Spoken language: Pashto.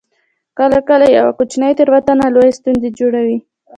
کله کله یوه کوچنۍ تیروتنه لویه ستونزه جوړوي